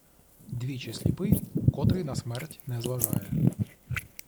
Двічі сліпий, котрий на смерть не зважає.